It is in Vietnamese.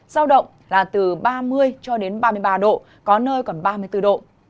giao động là từ ba mươi cho đến ba mươi ba độ có nơi còn ba mươi bốn độ